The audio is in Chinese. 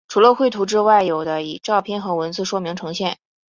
除了绘图之外有的以照片和文字说明呈现。